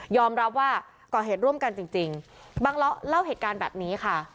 รับว่าก่อเหตุร่วมกันจริงจริงบังเลาะเล่าเหตุการณ์แบบนี้ค่ะ